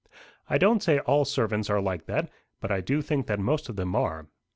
I don't say all servants are like that; but I do think that most of them are.